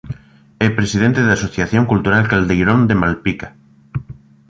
É presidente da "Asociación Cultural Caldeirón" de Malpica.